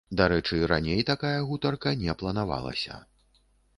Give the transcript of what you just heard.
Дарэчы, раней такая гутарка не планавалася.